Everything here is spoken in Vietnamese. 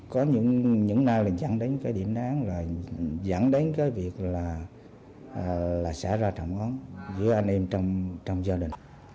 có những nào là dẫn đến cái điểm đáng dẫn đến cái việc là xảy ra trọng ấn giữa anh em trong gia đình